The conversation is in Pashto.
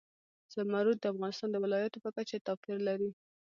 زمرد د افغانستان د ولایاتو په کچه توپیر لري.